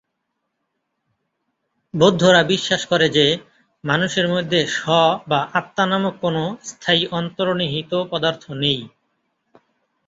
বৌদ্ধরা বিশ্বাস করে যে মানুষের মধ্যে স্ব বা আত্মা নামক কোন স্থায়ী অন্তর্নিহিত পদার্থ নেই।